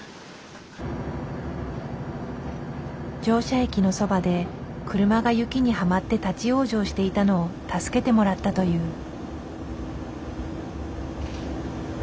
乗車駅のそばで車が雪にはまって立往生していたのを助けてもらったという。